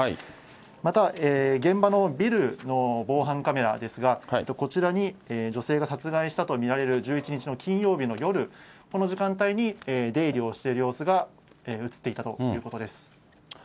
また、現場のビルの防犯カメラですが、こちらに女性が殺害されたと見られる１１日の金曜日の夜、この時間帯に出入りをしている様子が写っていたということです。